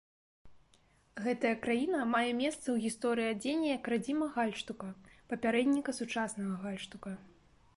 Гэтая краіна мае месца ў гісторыі адзення як радзіма гальштука, папярэдніка сучаснага гальштука.